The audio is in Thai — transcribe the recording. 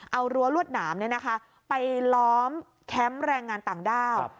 เอารั้วรวดหนามไปล้อมแคมป์แรงงานต่างด้าว